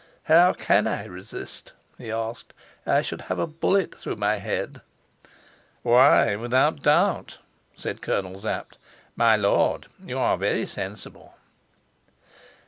"How can I resist?" he asked. "I should have a bullet through my head." "Why, without doubt," said Colonel Sapt. "My lord, you are very sensible."